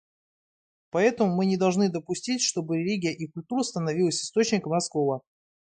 Поэтому мы не должны допустить, чтобы религия и культура становились источником раскола.